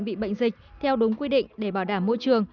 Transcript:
bị bệnh dịch theo đúng quy định để bảo đảm môi trường